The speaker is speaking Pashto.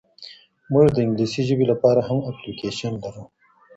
موږ د انګلیسي ژبي لپاره هم اپلیکیشن لرو.